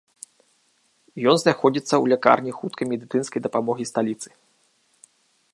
Ён знаходзіцца ў лякарні хуткай медыцынскай дапамогі сталіцы.